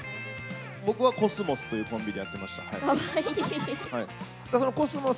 僕はコスモスというコンビでやってました。